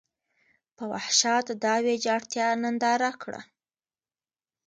په وحشت دا ویجاړتیا ننداره کړه.